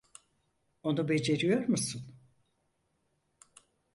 Onu beceriyor musun?